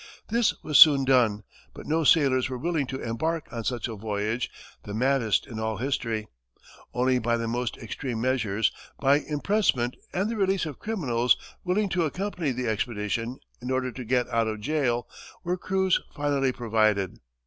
This was soon done, but no sailors were willing to embark on such a voyage, the maddest in all history. Only by the most extreme measures, by impressment and the release of criminals willing to accompany the expedition in order to get out of jail, were crews finally provided.